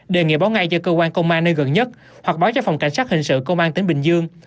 đề nghị báo ngay cho cơ quan công an nơi gần nhất hoặc báo cho phòng cảnh sát hình sự công an tỉnh bình dương